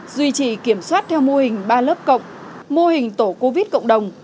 duy trì kiểm soát theo mô hình ba lớp cộng mô hình tổ covid cộng đồng